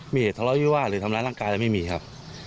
มีเหตุทะเลาะวิวาสหรือทำร้ายร่างกายอะไรไม่มีครับ